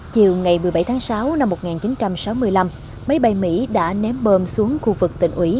chiều ngày một mươi bảy tháng sáu năm một nghìn chín trăm sáu mươi năm máy bay mỹ đã ném bom xuống khu vực tỉnh ủy